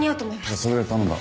じゃそれで頼んだ。